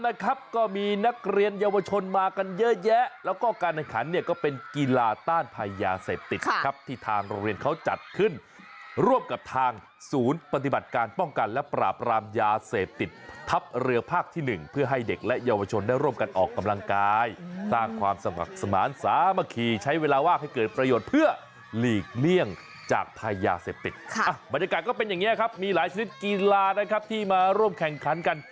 อ้าบรรตการย์ก็เป็นอย่างนี้ครับมีหลายชนิดกีฬานะครับที่มาร่วมแข่งขันกัน